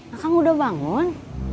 akang udah bangun